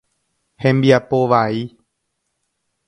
Hembiapo vai.